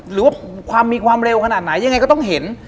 หรือว่าความมีความเร็วขนาดไหนยังไงก็ต้องเห็น